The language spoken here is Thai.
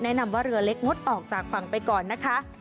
แนะนำว่าเรือเล็กงดออกจากฝั่งไปก่อนนะคะ